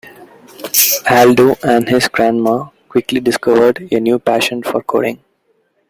Aldo and his grandma quickly discovered a new passion for coding.